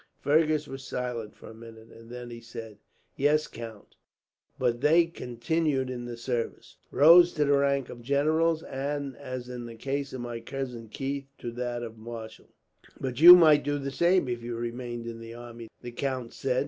Fergus was silent for a minute, and then he said: "Yes, count; but they continued in the service, rose to the rank of generals and, as in the case of my cousin Keith, to that of marshal." "But you might do the same, if you remained in the army," the count said.